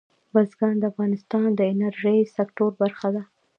بزګان د افغانستان د انرژۍ سکتور برخه ده.